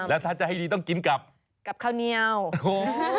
แล้วถ้าจะให้ดีต้องกินกับข้าวเหนียวโอ้โห